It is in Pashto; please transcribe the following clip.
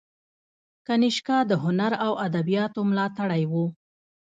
کنیشکا د هنر او ادبیاتو ملاتړی و